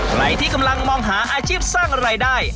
ใครที่กำลังมองหาอาชีพสร้างรายได้